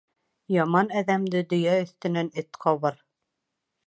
Яман әҙәмде дөйә өҫтөнән эт ҡабыр.